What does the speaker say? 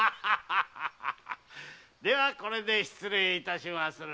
ではこれで失礼いたします。